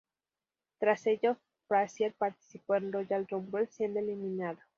Tras ello, Frazier participó en Royal Rumble, siendo eliminado.